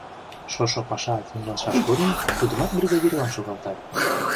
Шошо паша тӱҥалшаш годым тудымат бригадирлан шогалтат.